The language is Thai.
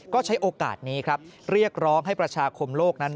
ก็ใช้โอกาสนี้ครับเรียกร้องให้ประชาคมโลกนั้น